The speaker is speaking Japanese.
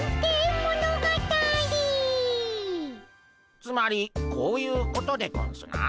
つまりこういうことでゴンスな？